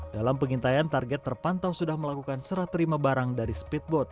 dalam pengintaian target terpantau sudah melakukan serah terima barang dari speedboat